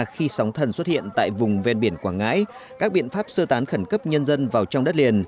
khi sóng thần xuất hiện tại vùng ven biển quảng ngãi các biện pháp sơ tán khẩn cấp nhân dân vào trong đất liền